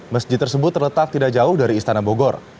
masjid tersebut terletak tidak jauh dari istana bogor